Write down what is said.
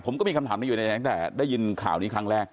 ผมก็มีคำถามนี้อยู่ในตั้งแต่ได้ยินข่าวนี้ครั้งแรก